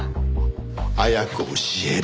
早く教えろ。